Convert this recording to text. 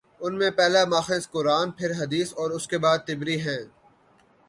ان میں پہلا ماخذ قرآن، پھر حدیث اور اس کے بعد طبری ہیں۔